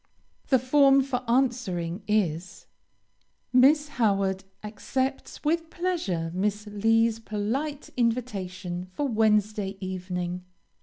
The form for answering, is: Miss Howard accepts with pleasure Miss Lee's polite invitation for Wednesday evening.